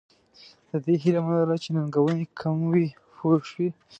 د دې هیله مه لره چې ننګونې کم وي پوه شوې!.